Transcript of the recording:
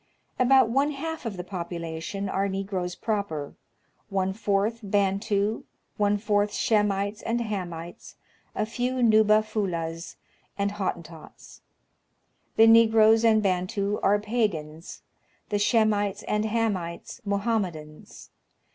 About one half of the population are Negroes proper, one fourth Bantu, one fourth Shemites and Hamites, a few Nuba Fulahs and Hottentots. The Negroes and Bantu are Pagans ; the Shemites and Hamites, Mohammedans.